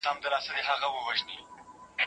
فيلسوفانو فقر ته څنګه وکتل؟